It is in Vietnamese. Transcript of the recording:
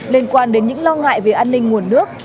liên quan đến những lo ngại về an ninh nguồn nước